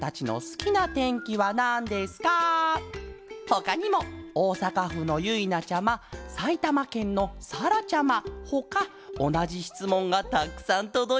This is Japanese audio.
ほかにもおおさかふのゆいなちゃまさいたまけんのさらちゃまほかおなじしつもんがたくさんとどいてるケロ。